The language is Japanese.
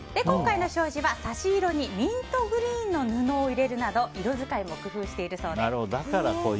今回の障子は差し色にミントグリーンの布を入れるなど色使いも工夫しているそうで。